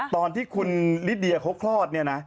ตอนที่คุณลิเดียเขาคลอดเนี่ยนะ